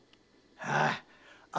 ああ。